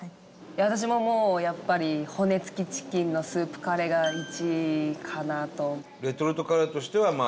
私ももうやっぱり骨つきチキンのスープカレーが１位かなと。